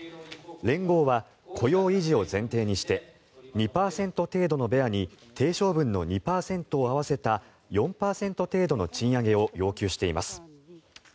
連合は雇用維持を前提にして２％程度のベアに定昇分の２％を合わせた４％程度の賃上げを要求しています。